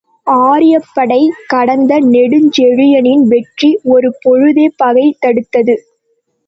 ஆரியப்படை கடந்த நெடுஞ்செழியனின் வெற்றி ஒரு பொழுதே பகை தடுத்தது.